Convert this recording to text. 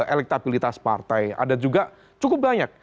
elektabilitas partai ada juga cukup banyak